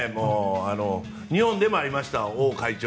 日本でもありました王会長